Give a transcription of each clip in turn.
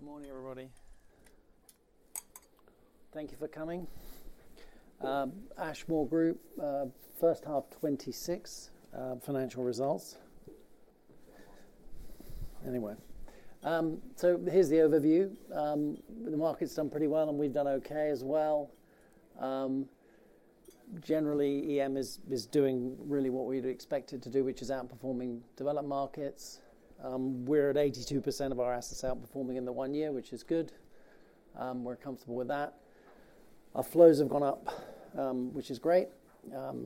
Good morning, everybody. Thank you for coming. Ashmore Group first half 2026 financial results. Anyway, so here's the overview. The market's done pretty well, and we've done okay as well. Generally, EM is doing really what we'd expect it to do, which is outperforming developed markets. We're at 82% of our assets outperforming in the one year, which is good. We're comfortable with that. Our flows have gone up, which is great.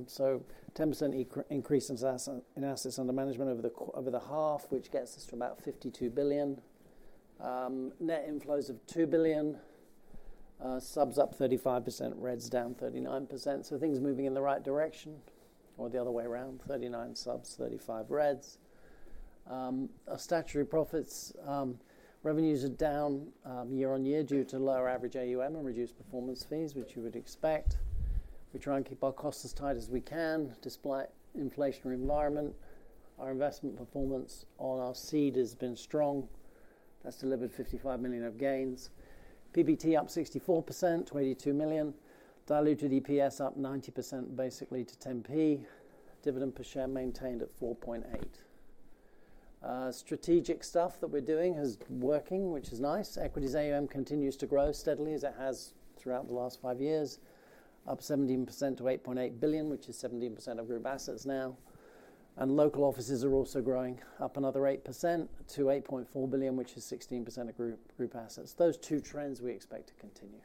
So 10% increase in assets, in assets under management over the half, which gets us to about $52 billion. Net inflows of $2 billion, subs up 35%, reds down 39%. So things are moving in the right direction, or the other way around, 39 subs, 35 reds. Our statutory profits, revenues are down year-on-year due to lower average AUM and reduced performance fees, which you would expect. We try and keep our costs as tight as we can, despite inflationary environment. Our investment performance on our seed has been strong. That's delivered 55 million of gains. PBT up 64%, 22 million. Diluted EPS up 90%, basically to 10p. Dividend per share maintained at 4.8p. Strategic stuff that we're doing is working, which is nice. Equities AUM continues to grow steadily as it has throughout the last five years, up 17% to $8.8 billion, which is 17% of group assets now. Local offices are also growing, up another 8% to $8.4 billion, which is 16% of group assets. Those two trends we expect to continue.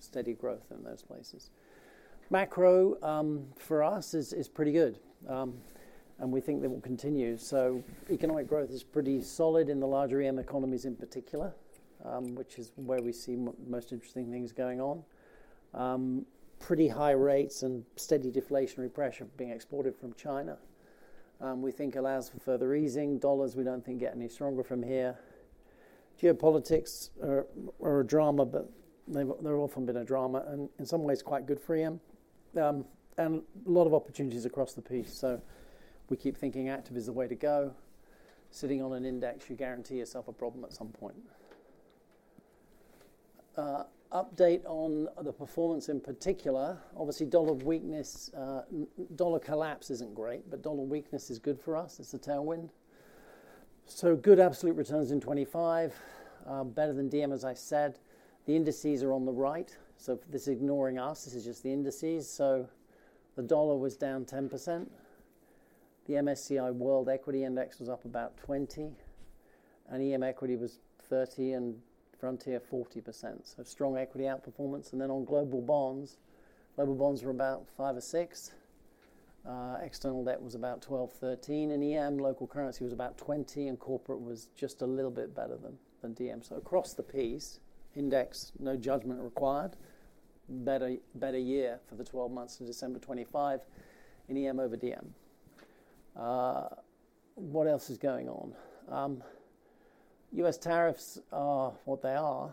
Steady growth in those places. Macro for us is pretty good, and we think they will continue. So economic growth is pretty solid in the larger EM economies in particular, which is where we see most interesting things going on. Pretty high rates and steady deflationary pressure being exported from China, we think allows for further easing. The dollar, we don't think gets any stronger from here. Geopolitics are a drama, but they've often been a drama, and in some ways quite good for EM. And a lot of opportunities across the piece, so we keep thinking active is the way to go. Sitting on an index, you guarantee yourself a problem at some point. Update on the performance in particular, obviously, dollar weakness, dollar collapse isn't great, but dollar weakness is good for us. It's a tailwind. So good absolute returns in 2025, better than DM, as I said. The indices are on the right, so this is ignoring us. This is just the indices. So the dollar was down 10%. The MSCI World Equity Index was up about 20%, and EM equity was 30%, and frontier, 40%. So strong equity outperformance. And then on global bonds, global bonds were about five or 6. External debt was about 12, 13, and EM local currency was about 20%, and corporate was just a little bit better than DM. So across the piece, index, no judgment required. Better, better year for the 12 months to December 2025 in EM over DM. What else is going on? U.S. tariffs are what they are,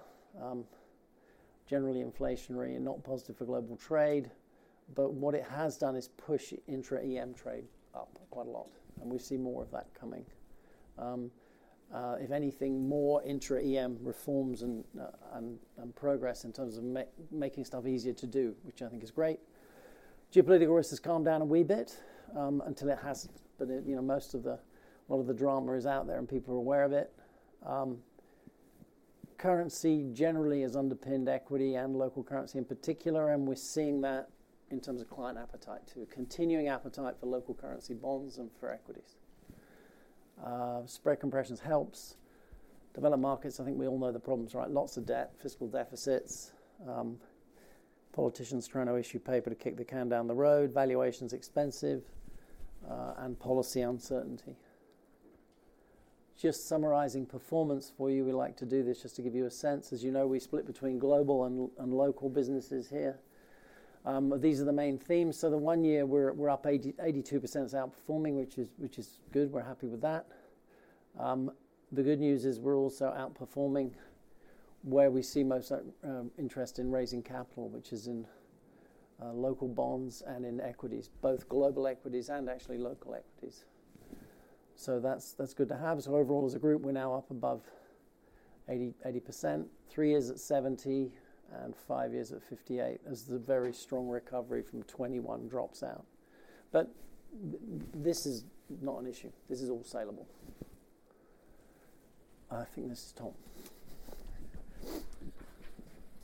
generally inflationary and not positive for global trade, but what it has done is push intra-EM trade up quite a lot, and we see more of that coming. If anything, more intra-EM reforms and progress in terms of making stuff easier to do, which I think is great. Geopolitical risk has calmed down a wee bit, until it hasn't, but, you know, most of the... a lot of the drama is out there, and people are aware of it. Currency generally has underpinned equity and local currency in particular, and we're seeing that in terms of client appetite, too. Continuing appetite for local currency bonds and for equities. Spread compressions helps. Developed markets, I think we all know the problems, right? Lots of debt, fiscal deficits, politicians trying to issue paper to kick the can down the road, valuations expensive, and policy uncertainty. Just summarizing performance for you, we like to do this just to give you a sense. As you know, we split between global and local businesses here. These are the main themes. So the one year, we're up 82% is outperforming, which is good. We're happy with that. The good news is we're also outperforming where we see most interest in raising capital, which is in local bonds and in equities, both global equities and actually local equities. So that's good to have. So overall, as a group, we're now up above 80, 80%, three years at 70%, and five years at 58%. This is a very strong recovery from 2021 drops out. But this is not an issue. This is all saleable. I think this is Tom.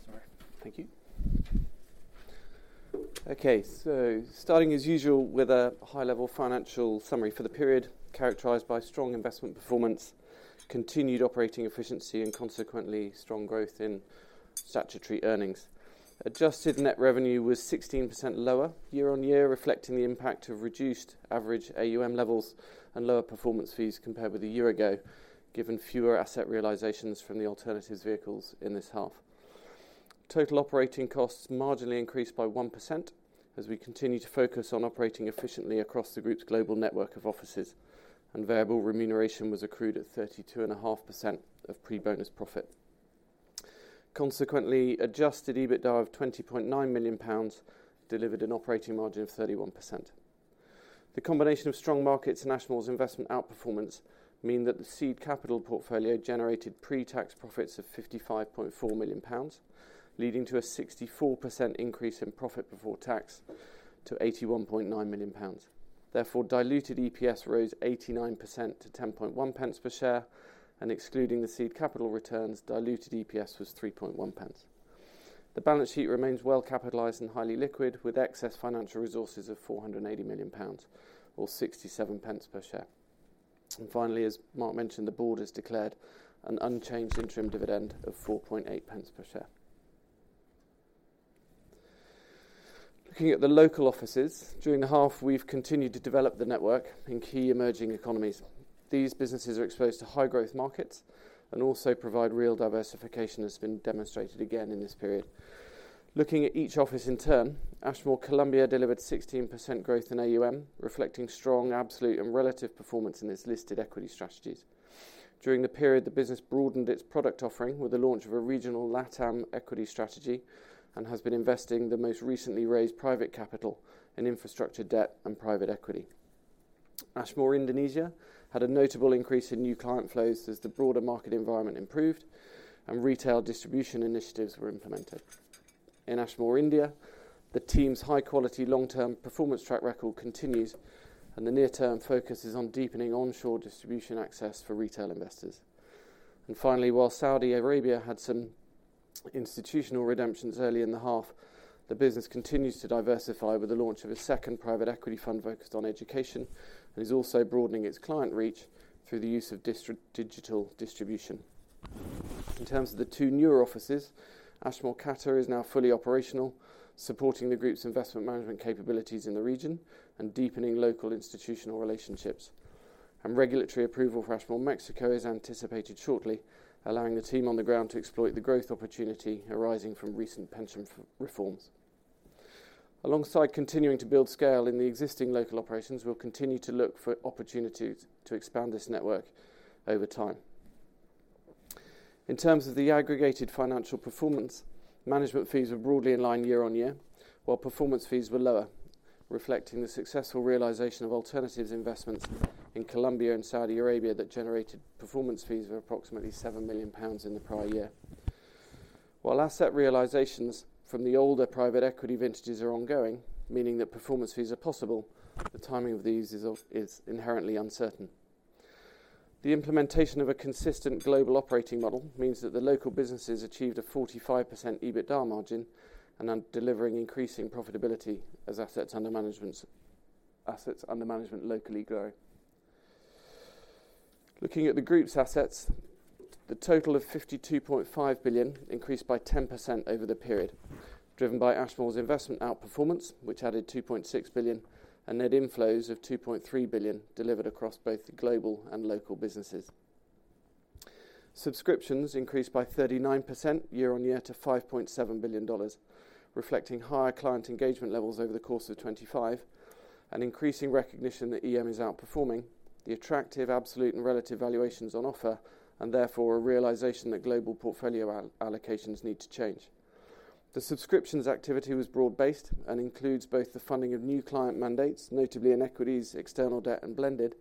Sorry. Thank you. Okay, so starting as usual with a high-level financial summary for the period, characterized by strong investment performance, continued operating efficiency, and consequently, strong growth in statutory earnings. Adjusted net revenue was 16% lower year-on-year, reflecting the impact of reduced average AUM levels and lower performance fees compared with a year ago, given fewer asset realizations from the alternatives vehicles in this half. Total operating costs marginally increased by 1%, as we continue to focus on operating efficiently across the group's global network of offices, and variable remuneration was accrued at 32.5% of pre-bonus profit. Consequently, adjusted EBITDA of 20.9 million pounds delivered an operating margin of 31%. The combination of strong markets and Ashmore's investment outperformance means that the seed capital portfolio generated pre-tax profits of 55.4 million pounds, leading to a 64% increase in profit before tax to 81.9 million pounds. Therefore, diluted EPS rose 89% to 0.101 per share, and excluding the seed capital returns, diluted EPS was 0.031. The balance sheet remains well-capitalized and highly liquid, with excess financial resources of 480 million pounds or 0.67 per share. And finally, as Mark mentioned, the board has declared an unchanged interim dividend of 0.048 per share. Looking at the local offices, during the half, we've continued to develop the network in key emerging economies. These businesses are exposed to high-growth markets and also provide real diversification, as has been demonstrated again in this period. Looking at each office in turn, Ashmore Colombia delivered 16% growth in AUM, reflecting strong, absolute, and relative performance in its listed equity strategies. During the period, the business broadened its product offering with the launch of a regional LatAm equity strategy and has been investing the most recently raised private capital in infrastructure, debt, and private equity. Ashmore Indonesia had a notable increase in new client flows as the broader market environment improved and retail distribution initiatives were implemented. In Ashmore India, the team's high-quality, long-term performance track record continues, and the near-term focus is on deepening onshore distribution access for retail investors. And finally, while Saudi Arabia had some institutional redemptions early in the half, the business continues to diversify with the launch of a second private equity fund focused on education, and is also broadening its client reach through the use of digital distribution. In terms of the two newer offices, Ashmore Qatar is now fully operational, supporting the group's investment management capabilities in the region and deepening local institutional relationships. And regulatory approval for Ashmore Mexico is anticipated shortly, allowing the team on the ground to exploit the growth opportunity arising from recent pension reforms. Alongside continuing to build scale in the existing local operations, we'll continue to look for opportunities to expand this network over time. In terms of the aggregated financial performance, management fees are broadly in line year-on-year, while performance fees were lower, reflecting the successful realization of alternatives investments in Colombia and Saudi Arabia that generated performance fees of approximately 7 million pounds in the prior year. While asset realizations from the older private equity vintages are ongoing, meaning that performance fees are possible, the timing of these is inherently uncertain. The implementation of a consistent global operating model means that the local businesses achieved a 45% EBITDA margin and are delivering increasing profitability as assets under managements, assets under management locally grow. Looking at the group's assets, the total of $52.5 billion increased by 10% over the period, driven by Ashmore's investment outperformance, which added $2.6 billion and net inflows of $2.3 billion delivered across both the global and local businesses. Subscriptions increased by 39% year-on-year to $5.7 billion, reflecting higher client engagement levels over the course of 2025, an increasing recognition that EM is outperforming, the attractive absolute and relative valuations on offer, and therefore, a realization that global portfolio allocations need to change. The subscriptions activity was broad-based and includes both the funding of new client mandates, notably in Equities, External Debt, and Blended,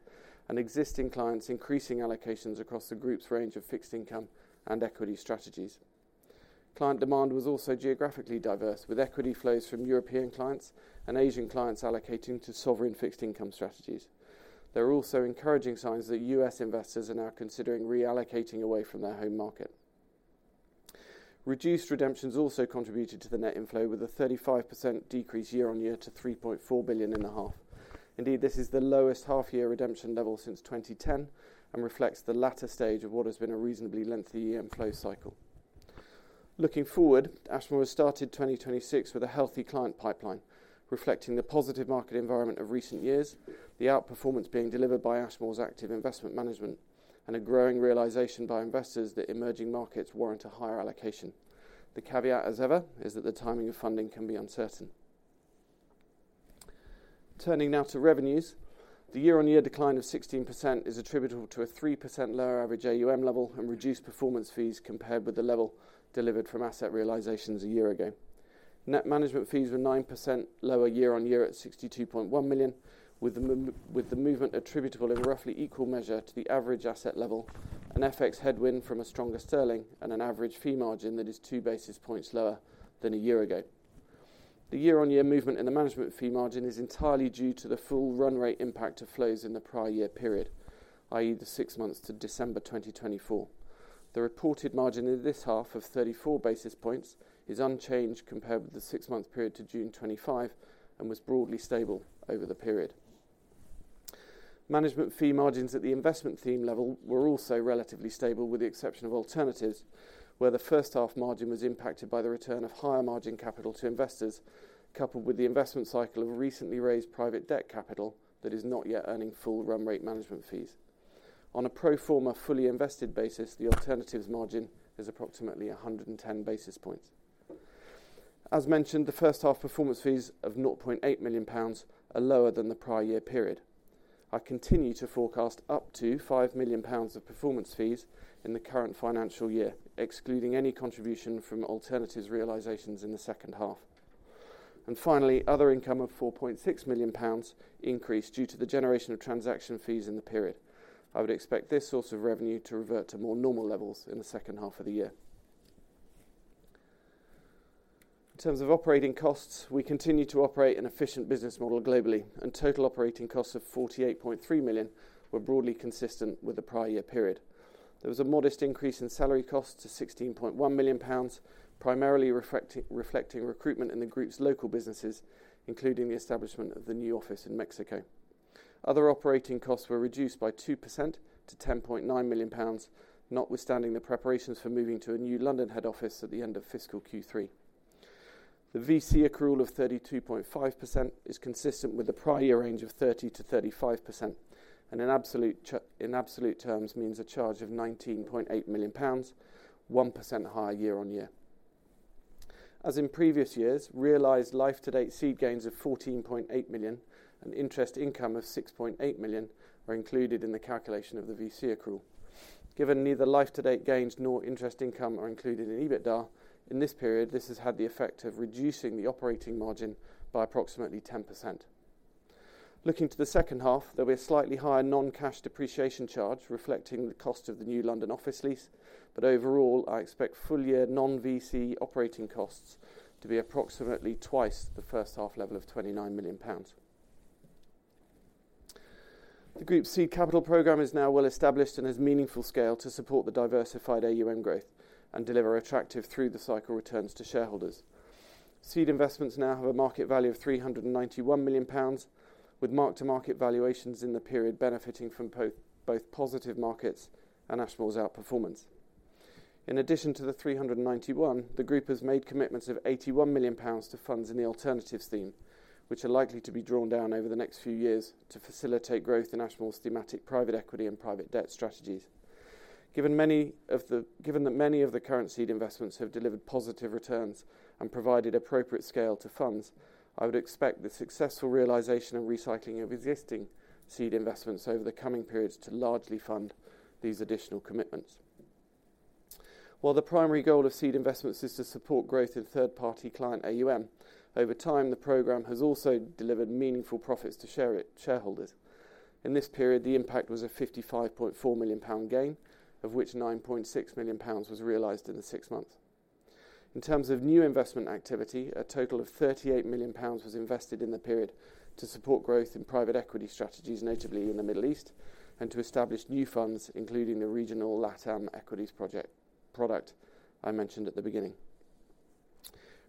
and existing clients increasing allocations across the group's range of fixed income and equity strategies. Client demand was also geographically diverse, with equity flows from European clients and Asian clients allocating to sovereign fixed income strategies. There are also encouraging signs that U.S. investors are now considering reallocating away from their home market. Reduced redemptions also contributed to the net inflow, with a 35% decrease year-on-year to $3.4 billion in the half. Indeed, this is the lowest half-year redemption level since 2010 and reflects the latter stage of what has been a reasonably lengthy EM flow cycle. Looking forward, Ashmore has started 2026 with a healthy client pipeline, reflecting the positive market environment of recent years, the outperformance being delivered by Ashmore's active investment management, and a growing realization by investors that emerging markets warrant a higher allocation. The caveat, as ever, is that the timing of funding can be uncertain. Turning now to revenues. The year-on-year decline of 16% is attributable to a 3% lower average AUM level and reduced performance fees compared with the level delivered from asset realizations a year ago. Net management fees were 9% lower year-on-year at 62.1 million, with the movement attributable in roughly equal measure to the average asset level, an FX headwind from a stronger sterling, and an average fee margin that is two basis points lower than a year ago. The year-on-year movement in the management fee margin is entirely due to the full run rate impact of flows in the prior year period, i.e., the six months to December 2024. The reported margin in this half of 34 basis points is unchanged compared with the six-month period to June 2025 and was broadly stable over the period. Management fee margins at the investment theme level were also relatively stable, with the exception of Alternatives, where the first half margin was impacted by the return of higher margin capital to investors, coupled with the investment cycle of a recently raised Private Debt capital that is not yet earning full run rate management fees. On a pro forma fully invested basis, the Alternatives margin is approximately 110 basis points.... As mentioned, the first half performance fees of 0.8 million pounds are lower than the prior year period. I continue to forecast up to 5 million pounds of performance fees in the current financial year, excluding any contribution from alternatives realizations in the second half. And finally, other income of 4.6 million pounds increased due to the generation of transaction fees in the period. I would expect this source of revenue to revert to more normal levels in the second half of the year. In terms of operating costs, we continue to operate an efficient business model globally, and total operating costs of 48.3 million were broadly consistent with the prior year period. There was a modest increase in salary costs to 16.1 million pounds, primarily reflecting recruitment in the group's local businesses, including the establishment of the new office in Mexico. Other operating costs were reduced by 2% to 10.9 million pounds, notwithstanding the preparations for moving to a new London head office at the end of fiscal Q3. The VC accrual of 32.5% is consistent with the prior year range of 30%-35%, and in absolute terms, means a charge of 19.8 million pounds, 1% higher year on year. As in previous years, realized life to date seed gains of 14.8 million and interest income of 6.8 million are included in the calculation of the VC accrual. Given neither life to date gains nor interest income are included in EBITDA, in this period, this has had the effect of reducing the operating margin by approximately 10%. Looking to the second half, there'll be a slightly higher non-cash depreciation charge, reflecting the cost of the new London office lease, but overall, I expect full year non-VC operating costs to be approximately twice the first half level of 29 million pounds. The group's seed capital program is now well established and has meaningful scale to support the diversified AUM growth and deliver attractive through the cycle returns to shareholders. Seed investments now have a market value of 391 million pounds, with mark-to-market valuations in the period benefiting from both positive markets and Ashmore's outperformance. In addition to the 391, the group has made commitments of 81 million pounds to funds in the alternatives theme, which are likely to be drawn down over the next few years to facilitate growth in Ashmore's thematic private equity and private debt strategies. Given that many of the current seed investments have delivered positive returns and provided appropriate scale to funds, I would expect the successful realization and recycling of existing seed investments over the coming periods to largely fund these additional commitments. While the primary goal of seed investments is to support growth in third-party client AUM, over time, the program has also delivered meaningful profits to shareholders. In this period, the impact was a 55.4 million pound gain, of which 9.6 million pounds was realized in the six months. In terms of new investment activity, a total of 38 million pounds was invested in the period to support growth in private equity strategies, notably in the Middle East, and to establish new funds, including the regional LatAm Equities project product I mentioned at the beginning.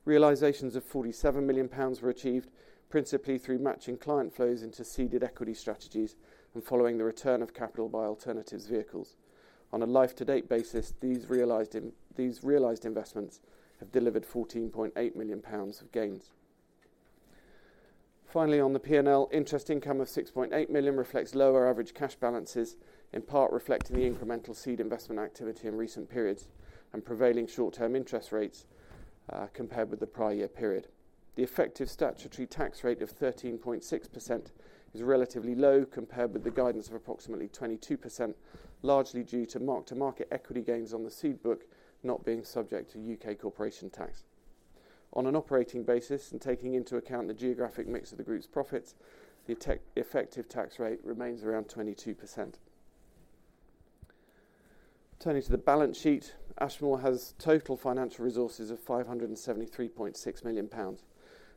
Realizations of 47 million pounds were achieved, principally through matching client flows into seeded equity strategies and following the return of capital by alternatives vehicles. On a life to date basis, these realized investments have delivered 14.8 million pounds of gains. Finally, on the P&L, interest income of 6.8 million reflects lower average cash balances, in part reflecting the incremental seed investment activity in recent periods and prevailing short-term interest rates, compared with the prior year period. The effective statutory tax rate of 13.6% is relatively low compared with the guidance of approximately 22%, largely due to mark-to-market equity gains on the seed book not being subject to U.K. corporation tax. On an operating basis, and taking into account the geographic mix of the group's profits, the effective tax rate remains around 22%. Turning to the balance sheet, Ashmore has total financial resources of 573.6 million pounds,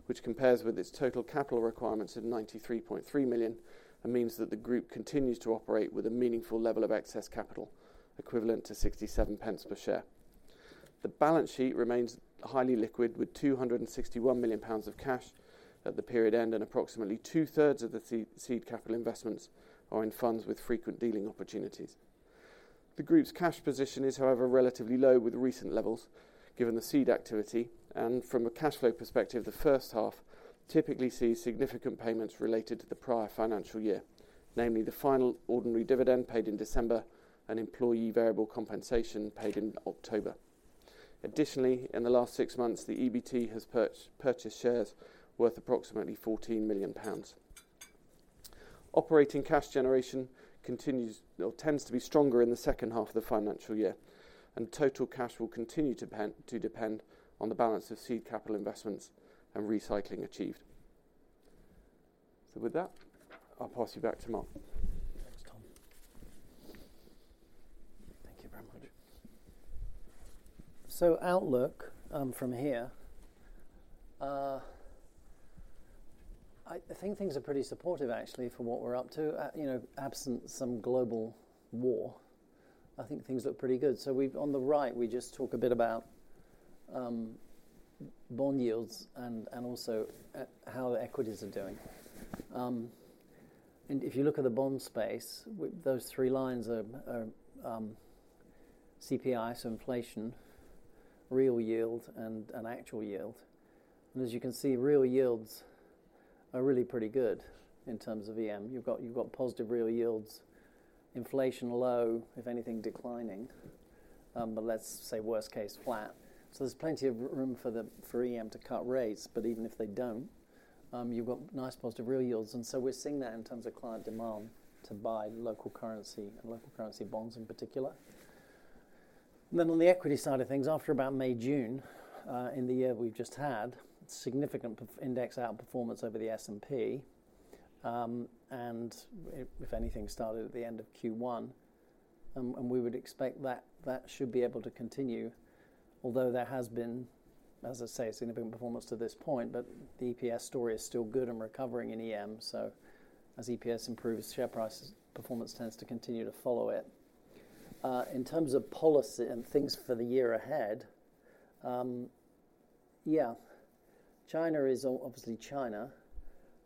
which compares with its total capital requirements of 93.3 million, and means that the group continues to operate with a meaningful level of excess capital, equivalent to 0.67 per share. The balance sheet remains highly liquid, with 261 million pounds of cash at the period end, and approximately two-thirds of the seed capital investments are in funds with frequent dealing opportunities. The group's cash position is, however, relatively low with recent levels, given the seed activity, and from a cash flow perspective, the first half typically sees significant payments related to the prior financial year, namely the final ordinary dividend paid in December and employee variable compensation paid in October. Additionally, in the last six months, the EBT has purchased shares worth approximately 14 million pounds. Operating cash generation continues or tends to be stronger in the second half of the financial year, and total cash will continue to depend on the balance of seed capital investments and recycling achieved. So with that, I'll pass you back to Mark. Thanks, Tom. Thank you very much. So outlook from here, I think things are pretty supportive actually for what we're up to. You know, absent some global war, I think things look pretty good. So on the right, we just talk a bit about bond yields and also how the equities are doing. And if you look at the bond space, those three lines are CPI, so inflation, real yield, and actual yield. And as you can see, real yields are really pretty good in terms of EM. You've got positive real yields, inflation low, if anything, declining, but let's say worst case, flat. So there's plenty of room for EM to cut rates, but even if they don't, you've got nice positive real yields, and so we're seeing that in terms of client demand to buy local currency and local currency bonds in particular. Then on the equity side of things, after about May, June, in the year we've just had, significant index outperformance over the S&P. And if anything, started at the end of Q1, and we would expect that should be able to continue, although there has been, as I say, significant performance to this point, but the EPS story is still good and recovering in EM, so as EPS improves, share prices performance tends to continue to follow it. In terms of policy and things for the year ahead, yeah, China is obviously China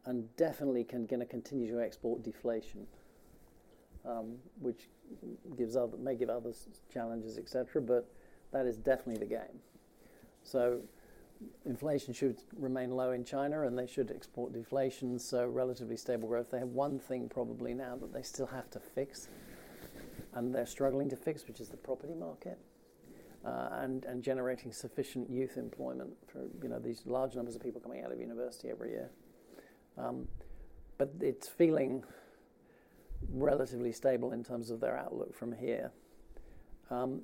and definitely gonna continue to export deflation, which may give others challenges, et cetera, but that is definitely the game. So inflation should remain low in China, and they should export deflation, so relatively stable growth. They have one thing probably now that they still have to fix, and they're struggling to fix, which is the property market, and generating sufficient youth employment for, you know, these large numbers of people coming out of university every year. But it's feeling relatively stable in terms of their outlook from here.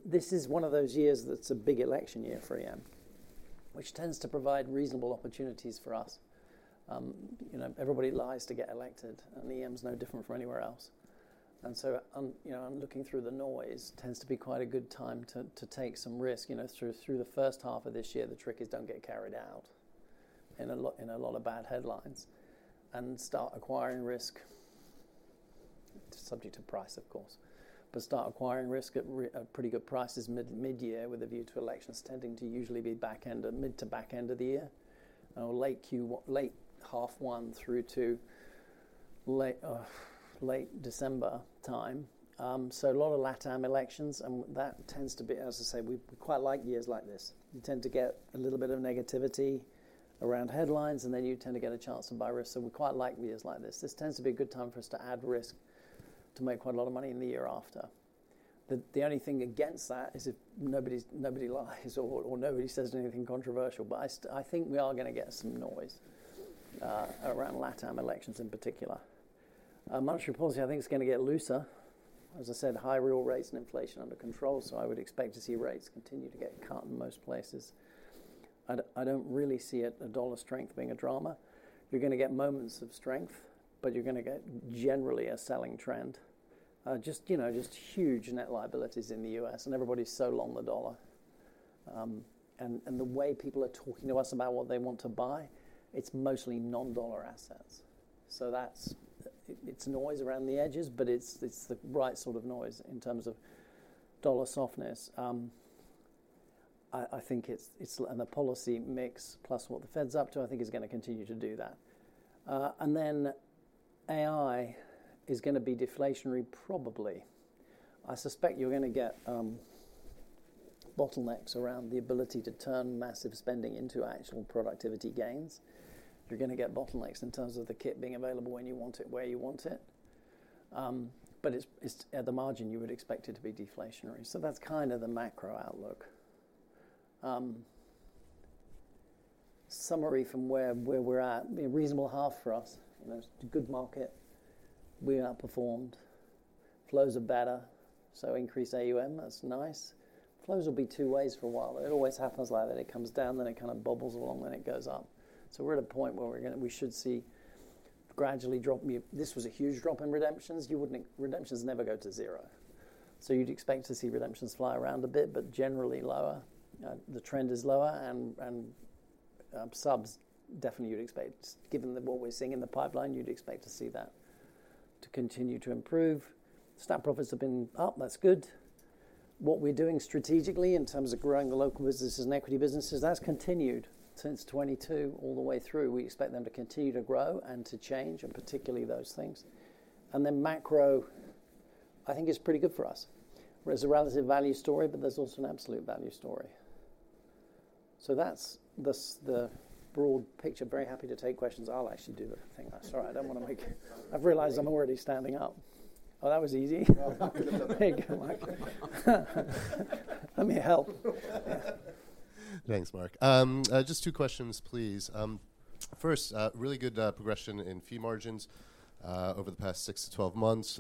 This is one of those years that's a big election year for EM, which tends to provide reasonable opportunities for us. You know, everybody lies to get elected, and EM's no different from anywhere else. And so I'm, you know, I'm looking through the noise, tends to be quite a good time to, to take some risk. You know, through, through the first half of this year, the trick is don't get carried out in a lot, in a lot of bad headlines and start acquiring risk, subject to price, of course. But start acquiring risk at re-- at pretty good prices mid- mid-year, with a view to elections tending to usually be back end of mid to back end of the year or late Q-- late half one through to late, late December time. So a lot of LatAm elections, and that tends to be, as I say, we quite like years like this. You tend to get a little bit of negativity around headlines, and then you tend to get a chance to buy risk, so we quite like years like this. This tends to be a good time for us to add risk, to make quite a lot of money in the year after. The only thing against that is if nobody lies or nobody says anything controversial, but I think we are gonna get some noise around LatAm elections in particular. Monetary policy, I think it's gonna get looser. As I said, high real rates and inflation under control, so I would expect to see rates continue to get cut in most places. I don't really see it, the dollar strength being a drama. You're gonna get moments of strength, but you're gonna get generally a selling trend. Just, you know, just huge net liabilities in the U.S., and everybody's so long the dollar. And the way people are talking to us about what they want to buy, it's mostly non-dollar assets. So that's... It's noise around the edges, but it's the right sort of noise in terms of dollar softness. I think it's, and the policy mix, plus what the Fed's up to, I think is gonna continue to do that. And then AI is gonna be deflationary, probably. I suspect you're gonna get bottlenecks around the ability to turn massive spending into actual productivity gains. You're gonna get bottlenecks in terms of the kit being available when you want it, where you want it. But it's at the margin, you would expect it to be deflationary. So that's kind of the macro outlook. Summary from where we're at, be a reasonable half for us. You know, it's a good market. We outperformed. Flows are better, so increased AUM, that's nice. Flows will be two ways for a while. It always happens like that. It comes down, then it kind of bobbles along, then it goes up. So we're at a point where we're gonna, we should see gradually drop. This was a huge drop in redemptions. You wouldn't, Redemptions never go to zero. So you'd expect to see redemptions fly around a bit, but generally lower. The trend is lower and subs, definitely you'd expect, given what we're seeing in the pipeline, you'd expect to see that to continue to improve. Staff profits have been up. That's good. What we're doing strategically in terms of growing the local businesses and equity businesses, that's continued since 2022 all the way through. We expect them to continue to grow and to change, and particularly those things. And then macro, I think, is pretty good for us. There's a relative value story, but there's also an absolute value story. So that's the broad picture. Very happy to take questions. I'll actually do the thing. Sorry, I don't wanna make... I've realized I'm already standing up. Well, that was easy. Very good. Let me help. Thanks, Mark. Just two questions, please. First, really good progression in fee margins over the past six to 12 months.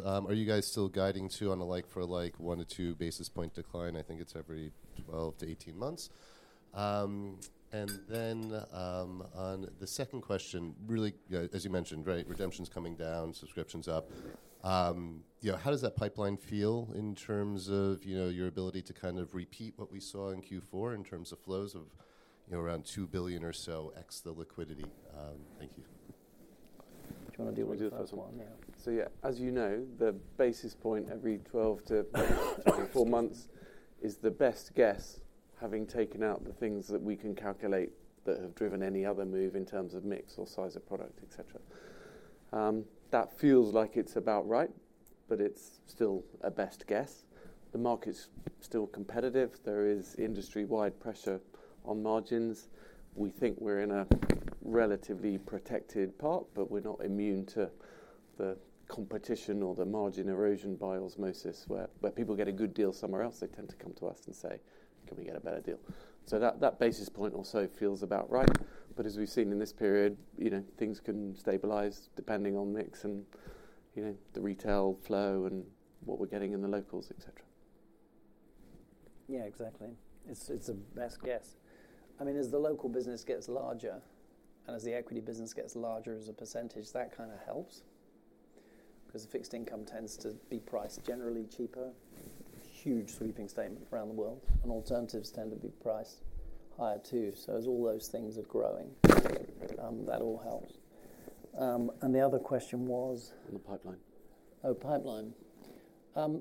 And then, on the second question, really, as you mentioned, great, redemptions coming down, subscriptions up. Yeah, how does that pipeline feel in terms of, you know, your ability to kind of repeat what we saw in Q4, in terms of flows of, you know, around $2 billion or so, ex the liquidity? Thank you. Do you wanna deal with the first one? So yeah, as you know, the basis point every 12-24 months is the best guess, having taken out the things that we can calculate that have driven any other move in terms of mix or size of product, et cetera, that feels like it's about right, but it's still a best guess. The market's still competitive. There is industry-wide pressure on margins. We think we're in a relatively protected part, but we're not immune to the competition or the margin erosion by osmosis, where people get a good deal somewhere else, they tend to come to us and say, "Can we get a better deal?" So that basis point also feels about right. But as we've seen in this period, you know, things can stabilize depending on mix and, you know, the retail flow and what we're getting in the locals, et cetera. Yeah, exactly. It's, it's a best guess. I mean, as the local business gets larger and as the equity business gets larger as a percentage, that kind of helps. 'Cause fixed income tends to be priced generally cheaper. Huge sweeping statement around the world, and alternatives tend to be priced higher, too. So as all those things are growing, that all helps. And the other question was? The pipeline. Oh, pipeline.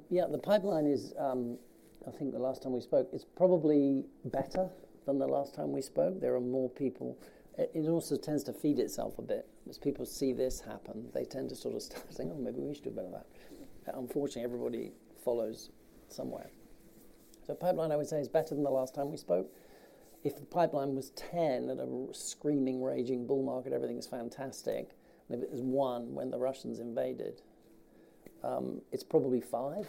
Yeah, the pipeline is, I think the last time we spoke, it's probably better than the last time we spoke. There are more people. It also tends to feed itself a bit. As people see this happen, they tend to sort of start saying: "Oh, maybe we should do a bit of that." Unfortunately, everybody follows somewhere. So pipeline, I would say, is better than the last time we spoke. If the pipeline was 10 at a screaming, raging bull market, everything is fantastic, and if it was one when the Russians invaded, it's probably five.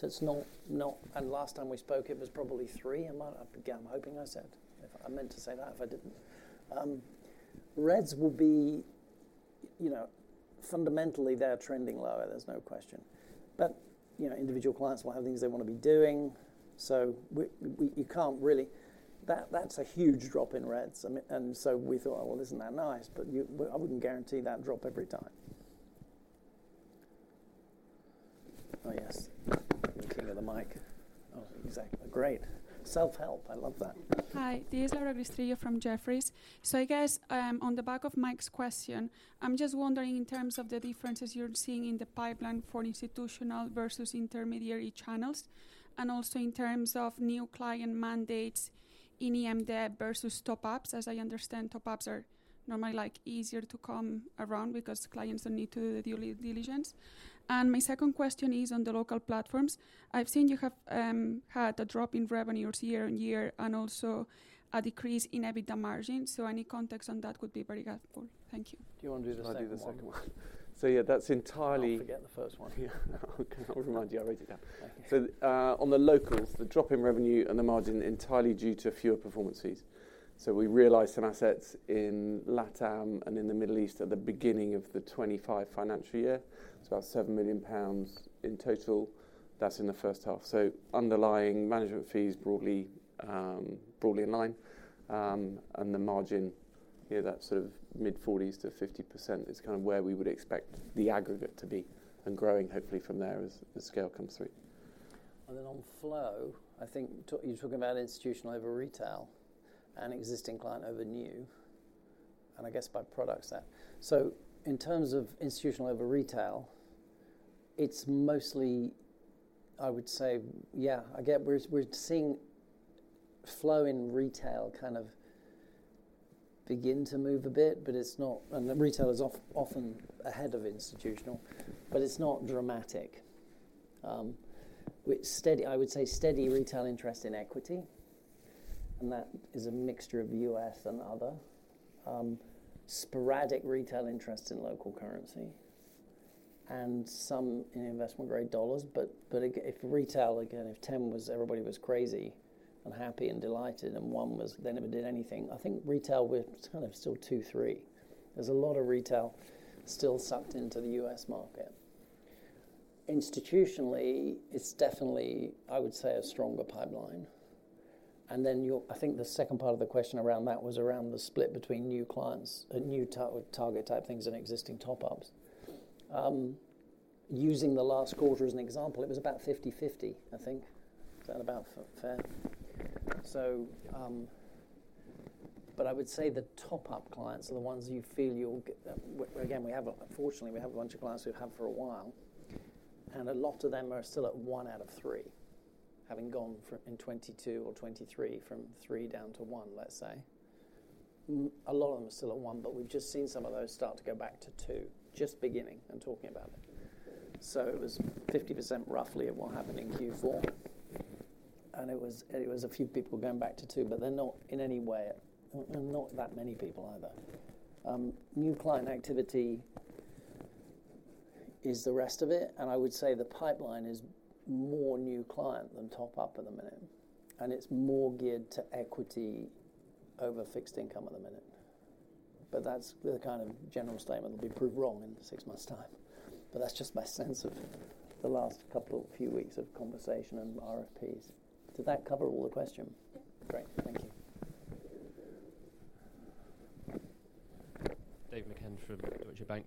So it's not... And last time we spoke, it was probably three, again, I'm hoping I said. If I meant to say that, if I didn't. Reds will be, you know, fundamentally, they're trending lower, there's no question. But, you know, individual clients will have things they want to be doing, so we—you can't really... That's a huge drop in reds, and so we thought, "Well, isn't that nice?" But you—I wouldn't guarantee that drop every time. Oh, yes. Give you the mic. Oh, exactly. Great! Self-help, I love that. Hi, this is Laura Gris Trillo from Jefferies. So I guess, on the back of Mike's question, I'm just wondering, in terms of the differences you're seeing in the pipeline for institutional versus intermediary channels, and also in terms of new client mandates in EM debt versus top-ups. As I understand, top-ups are normally, like, easier to come around because clients don't need to do due diligence. And my second question is on the local platforms. I've seen you have had a drop in revenues year-on-year and also a decrease in EBITDA margin. So any context on that would be very helpful. Thank you. Do you want to do the second one? I'll do the second one. So yeah, that's entirely- I'll forget the first one. Yeah. Okay, I'll remind you. I wrote it down. So, on the locals, the drop in revenue and the margin are entirely due to fewer performance fees. So we realized some assets in LatAm and in the Middle East at the beginning of the 2025 financial year. It's about 7 million pounds in total. That's in the first half. So underlying management fees broadly in line. And the margin, yeah, that sort of mid-40s-50% is kind of where we would expect the aggregate to be, and growing hopefully from there as the scale comes through. And then on flow, I think you're talking about institutional over retail and existing client over new, and I guess by products there. So in terms of institutional over retail, it's mostly, I would say... Yeah, again, we're seeing flow in retail kind of begin to move a bit, but it's not and the retail is often ahead of institutional, but it's not dramatic. I would say steady retail interest in equity, and that is a mixture of U.S. and other. Sporadic retail interest in local currency and some in investment-grade dollars. But if retail, again, if ten was everybody was crazy and happy and delighted, and one was they never did anything, I think retail, we're kind of still two, three. There's a lot of retail still sucked into the US market. Institutionally, it's definitely, I would say, a stronger pipeline. And then your... I think the second part of the question around that was around the split between new clients, new target type things and existing top-ups. Using the last quarter as an example, it was about 50/50, I think. Is that about fair? So... But I would say the top-up clients are the ones you feel you'll again, we have, fortunately, we have a bunch of clients we've had for a while, and a lot of them are still at one out of three, having gone in 2022 or 2023, from three down to one, let's say. A lot of them are still at one, but we've just seen some of those start to go back to two, just beginning and talking about it. So it was 50% roughly of what happened in Q4, and it was a few people going back to two, but they're not in any way, not that many people either. New client activity is the rest of it, and I would say the pipeline is more new client than top-up at the minute, and it's more geared to equity over fixed income at the minute. But that's the kind of general statement that'll be proved wrong in six months' time. But that's just my sense of the last couple few weeks of conversation and RFPs. Did that cover all the question? Yeah. Great. Thank you. David McCann from Deutsche Bank.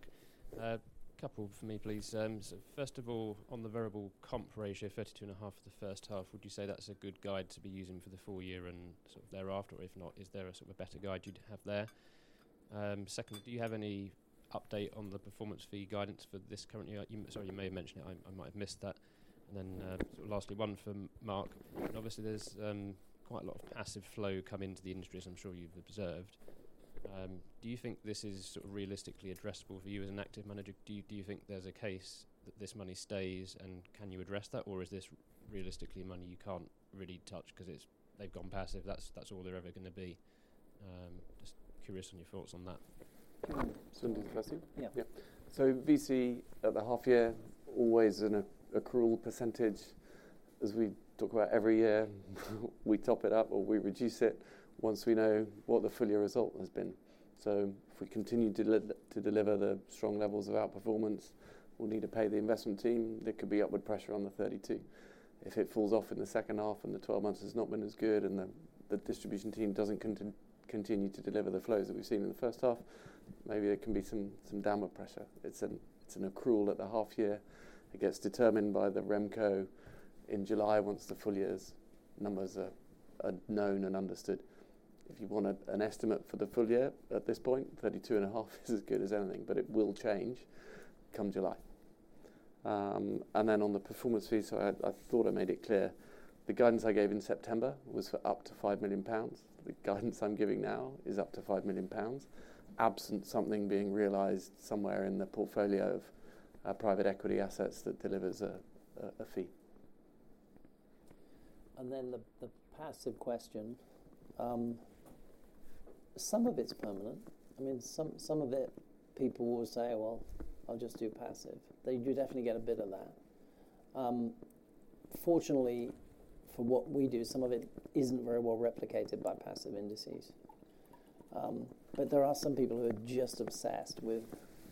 A couple for me, please. So first of all, on the variable comp ratio, 32.5 for the first half, would you say that's a good guide to be using for the full year and sort of thereafter? Or if not, is there a sort of a better guide you'd have there? Secondly, do you have any update on the performance fee guidance for this current year? You, sorry, you may have mentioned it. I might have missed that. And then, lastly, one from Mark. Obviously, there's quite a lot of passive flow coming to the industry, as I'm sure you've observed. Do you think this is sort of realistically addressable for you as an active manager? Do you think there's a case that this money stays, and can you address that? Or is this realistically money you can't really touch 'cause it's, they've gone passive, that's all they're ever gonna be? Just curious on your thoughts on that. Do you want me to address it? Yeah. Yeah. So VC at the half year, always an accrual percentage, as we talk about every year, we top it up or we reduce it once we know what the full year result has been. So if we continue to deliver the strong levels of outperformance, we'll need to pay the investment team. There could be upward pressure on the 32%. If it falls off in the second half and the 12 months has not been as good, and the distribution team doesn't continue to deliver the flows that we've seen in the first half, maybe there can be some downward pressure. It's an accrual at the half year. It gets determined by the Remco in July, once the full year's numbers are known and understood. If you want an estimate for the full year, at this point, 32.5 is as good as anything, but it will change come July. And then on the performance fee, I thought I made it clear. The guidance I gave in September was for up to 5 million pounds. The guidance I'm giving now is up to 5 million pounds, absent something being realized somewhere in the portfolio of private equity assets that delivers a fee. And then the passive question. Some of it's permanent. I mean, some of it, people will say, "Well, I'll just do passive." They do definitely get a bit of that. Fortunately, for what we do, some of it isn't very well replicated by passive indices. But there are some people who are just obsessed with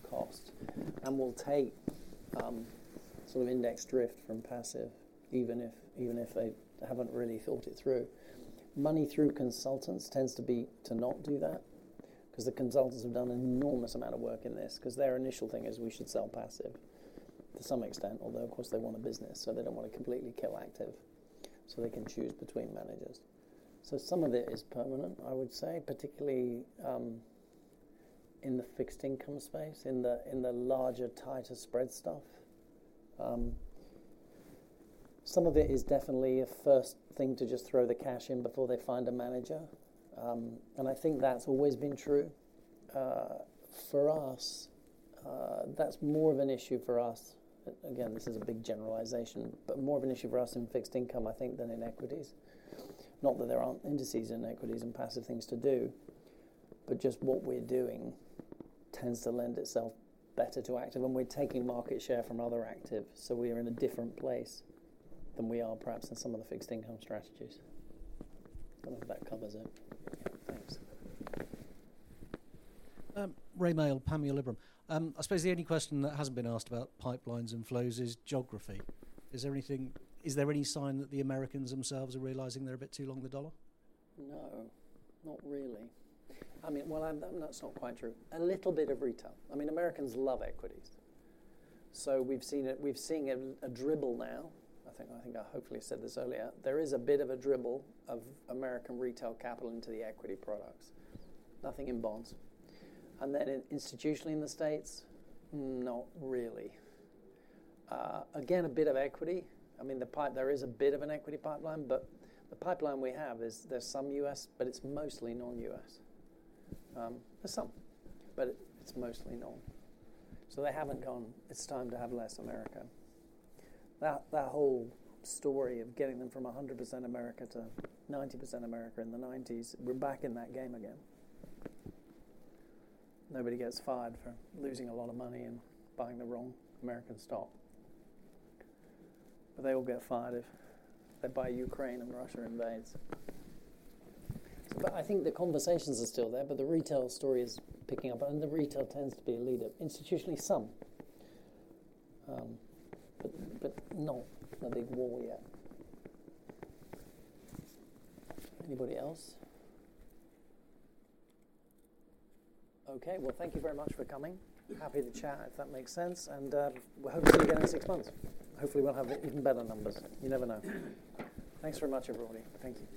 cost and will take sort of index drift from passive, even if they haven't really thought it through. Money through consultants tends to be to not do that, 'cause the consultants have done an enormous amount of work in this, 'cause their initial thing is: We should sell passive to some extent. Although, of course, they want a business, so they don't want to completely kill active, so they can choose between managers. So some of it is permanent, I would say, particularly in the fixed income space, in the larger, tighter spread stuff. Some of it is definitely a first thing to just throw the cash in before they find a manager. And I think that's always been true. For us, that's more of an issue for us. Again, this is a big generalization, but more of an issue for us in fixed income, I think, than in equities. Not that there aren't indices in equities and passive things to do, but just what we're doing tends to lend itself better to active, and we're taking market share from other active, so we are in a different place than we are perhaps in some of the fixed income strategies. I don't know if that covers it. Thanks. Rae Maile, Panmure Liberum. I suppose the only question that hasn't been asked about pipelines and flows is geography. Is there anything? Is there any sign that the Americans themselves are realizing they're a bit too long the U.S. dollar? No, not really. I mean, well, that's not quite true. A little bit of retail. I mean, Americans love equities, so we've seen it, we've seen a dribble now. I think, I think I hopefully said this earlier. There is a bit of a dribble of American retail capital into the equity products. Nothing in bonds. And then institutionally in the States, not really. Again, a bit of equity. I mean, the pipe, there is a bit of an equity pipeline, but the pipeline we have is, there's some U.S., but it's mostly non-U.S.. There's some, but it's mostly normal. So they haven't gone, "It's time to have less America." That, that whole story of getting them from 100% America to 90% America in the nineties, we're back in that game again. Nobody gets fired for losing a lot of money and buying the wrong American stock. But they all get fired if they buy Ukraine, and Russia invades. But I think the conversations are still there, but the retail story is picking up, and the retail tends to be a leader. Institutionally, some, but not a big wall yet. Anybody else? Okay, well, thank you very much for coming. Happy to chat, if that makes sense, and we'll hopefully see you again in six months. Hopefully, we'll have even better numbers. You never know. Thanks very much, everybody. Thank you.